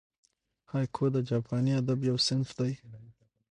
هایکو د جاپاني ادب یو صنف دئ.